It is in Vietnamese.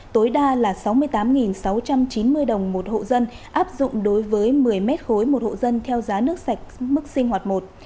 tối đa là sáu mươi tám sáu trăm chín mươi đồng một hộ dân áp dụng đối với một mươi mét khối một hộ dân theo giá nước sạch mức sinh hoạt một